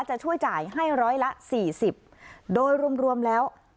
จะช่วยจ่ายให้ร้อยละสี่สิบโดยรวมแล้ว